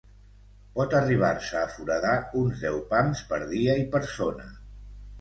Pot arribar-se a foradar uns deu pams per dia i persona.